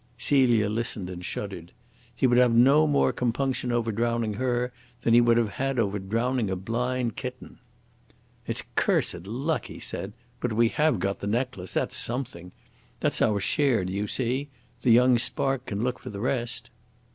Celia listened and shuddered. He would have no more compunction over drowning her than he would have had over drowning a blind kitten. "It's cursed luck," he said. "But we have got the necklace that's something. That's our share, do you see? The young spark can look for the rest."